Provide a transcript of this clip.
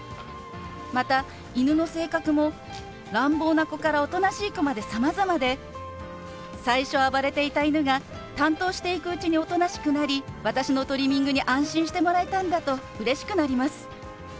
また犬の性格も乱暴な子からおとなしい子までさまざまで最初暴れていた犬が担当していくうちにおとなしくなり私のトリミングに安心してもらえたんだとうれしくなります。